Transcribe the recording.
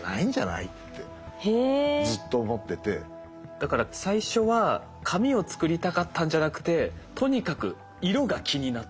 だから最初は紙を作りたかったんじゃなくてとにかく色が気になった。